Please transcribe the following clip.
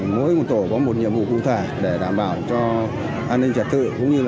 mỗi tổ có một nhiệm vụ cụ thể để đảm bảo cho an ninh trật tự